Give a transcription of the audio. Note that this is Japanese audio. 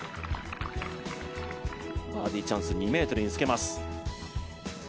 バーディーチャンス、２ｍにつけます。